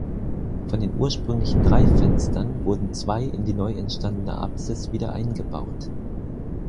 Von den ursprünglichen drei Fenstern wurden zwei in die neu entstandene Apsis wieder eingebaut.